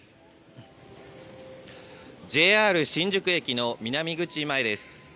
ＪＲ新宿駅の南口前です。